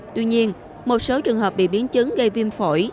tuy nhiên một số trường hợp bị biến chứng gây viêm phổi